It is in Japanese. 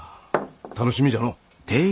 楽しみじゃのう。